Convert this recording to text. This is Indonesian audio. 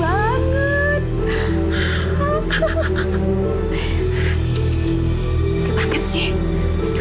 gak banget sih